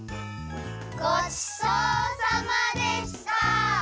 ごちそうさまでした！